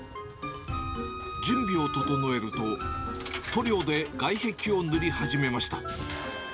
準備を整えると、塗料で外壁を塗り始めました。